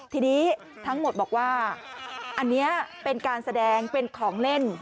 ทีนี้ทั้งหมดบอกว่าอันนี้เป็นการแสดงเป็นของเล่น